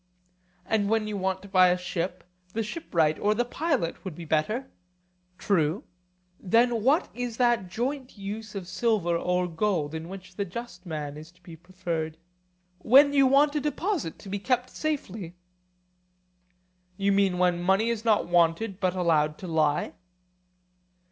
And when you want to buy a ship, the shipwright or the pilot would be better? True. Then what is that joint use of silver or gold in which the just man is to be preferred? When you want a deposit to be kept safely. You mean when money is not wanted, but allowed to lie?